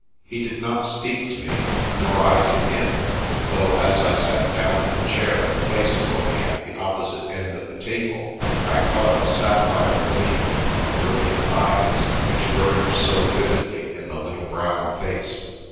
He did not speak to me, nor I to him, though, as I sat down in the chair placed for me at the oppo site end of the table, I caught a sapphire gleam from the brilliant eyes, which burned so vividly in the little brown face.